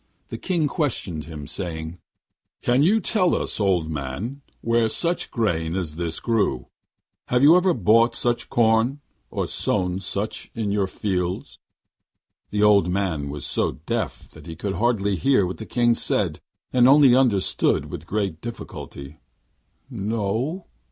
The King questioned him, saying: 'Can you tell us, old man, where such grain as this grew? Have you ever bought such corn, or sown such in your fields?' The old man was so deaf that he could hardly hear what the King said, and only understood with great difficulty. 'No!'